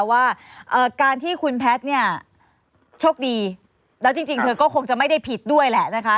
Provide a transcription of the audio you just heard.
ว่าการที่คุณแพทย์เนี่ยโชคดีแล้วจริงเธอก็คงจะไม่ได้ผิดด้วยแหละนะคะ